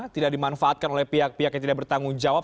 tidak dimanfaatkan oleh pihak pihak yang tidak bertanggung jawab